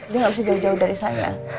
dia nggak bisa jauh jauh dari saya